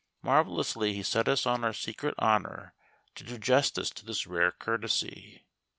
Marvellously he set us on our secret honour to do justice to this rare courtesy.